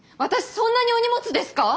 そんなにお荷物ですか！？